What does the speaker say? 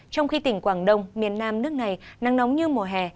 trong khi tỉnh quảng đông miền nam nước này nắng nóng như mùa hè